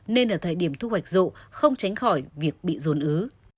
nên ở thời điểm thu hoạch rộ không tránh khỏi việc bị dồn ứ